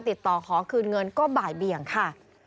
ติดต่อขอคืนเงินก็บ่ายเบี่ยงค่ะ